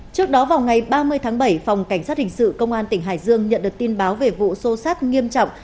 trước đó vào ngày ba mươi tháng bảy phòng cảnh sát hình sự công an tỉnh hải dương nhận được tin báo về vụ xô xát nghiêm trọng